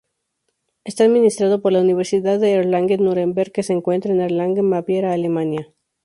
Está administrado por la Universidad de Erlangen-Nuremberg, que se encuentra en Erlangen, Baviera, Alemania.